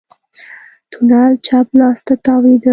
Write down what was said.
تونل چپ لاس ته تاوېده.